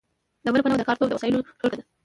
له بله پلوه د کار توکي د وسایلو ټولګه ده.